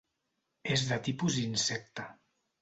És de tipus insecte.